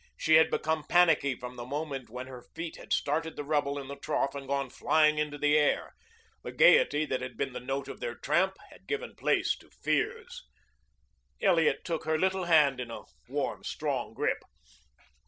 She had become panicky from the moment when her feet had started the rubble in the trough and gone flying into the air. The gayety that had been the note of their tramp had given place to fears. Elliot took her little hand in a warm, strong grip.